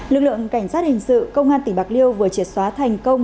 lực lượng cảnh sát hình sự công an tỉnh bạc liêu vừa triệt xóa thành công